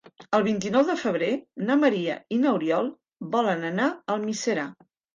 El vint-i-nou de febrer na Maria i n'Oriol volen anar a Almiserà.